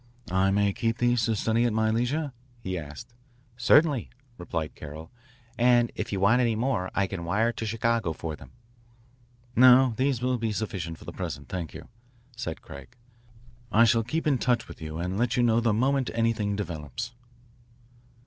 "I may keep these to study at my leisure?" he asked. Certainly," replied Carroll, "and if you want any more I can wire to Chicago for them." "No, these will be sufficient for the present, thank you," said Craig. "I shall keep in touch with you and let you know the moment anything develops.